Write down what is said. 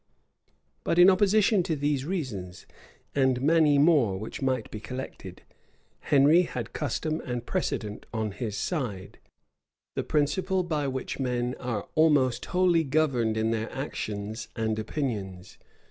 But in opposition to these reasons, and many more which might be collected, Henry had custom and precedent on his side, the principle by which men are almost wholly governed in their actions and opinions.